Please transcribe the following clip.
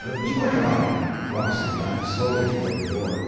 and be quick about it!" Roxy backed slowly toward the door.